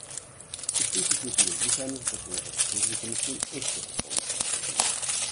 Und schließlich müssen wir sichern, dass in der Europäischen Kommission echte Reformen stattfinden.